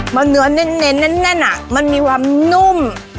มันเนื้อเน้นแน่นมันมีความนุ่ม